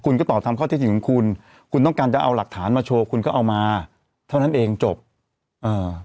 คุณก็ตอบทำข้อเท็จจริงของคุณคุณต้องการจะเอาหลักฐานมาโชว์คุณก็เอามาเท่านั้นเองจบเอ่อ